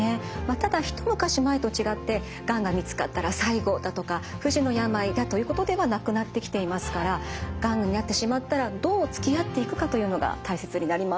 ただ一昔前と違ってがんが見つかったら最後だとか不治の病だということではなくなってきていますからがんになってしまったらどうつきあっていくかというのが大切になります。